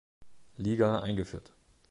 Liga eingeführt.